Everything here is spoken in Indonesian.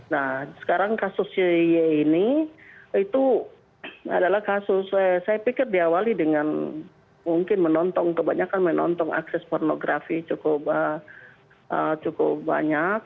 nah sekarang kasus y ini itu adalah kasus saya pikir diawali dengan mungkin menonton kebanyakan menonton akses pornografi cukup banyak